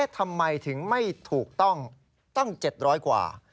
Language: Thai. ทำไมถึงไม่ถูกต้องต้อง๗๐๐กว่า